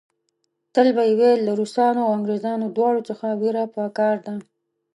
تل به یې ویل له روسانو او انګریزانو دواړو څخه وېره په کار ده.